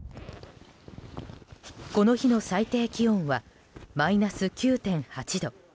この日の最低気温はマイナス９．８度。